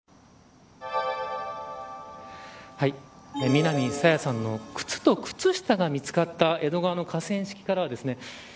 南朝芽さんの靴と靴下が見つかった江戸川の河川敷からですね